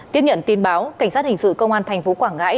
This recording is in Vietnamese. tiếp nhận tin báo cảnh sát hình sự công an thành phố quảng ngãi